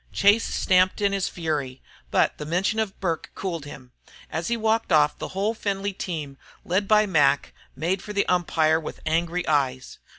Chase stamped in his fury, but the mention of Burke cooled him. As he walked off the whole Findlay team, led by Mac, made for the umpire with angry eyes.